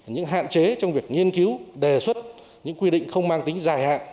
những hạn chế trong việc nghiên cứu đề xuất những quy định không mang tính dài hạn